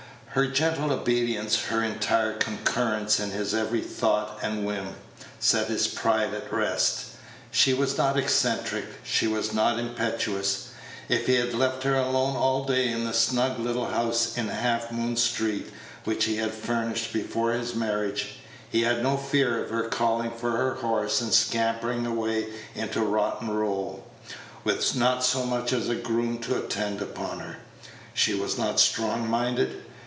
Her gentle obedience, her entire concurrence in his every thought and whim, set his pride at rest. She was not eccentric, she was not impetuous. If he left her alone all day in the snug little house in Half Moon street which he had furnished before his marriage, he had no fear of her calling for her horse and scampering away into Rotten Row, with not so much as a groom to attend upon her. She was not strong minded.